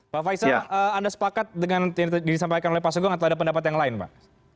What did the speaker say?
pak faisal anda sepakat dengan yang disampaikan oleh pak sugeng atau ada pendapat yang lain pak